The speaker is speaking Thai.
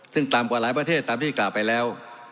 ซึ่งต่ำกว่าหลายประเทศตามที่กล่าวไปแล้ว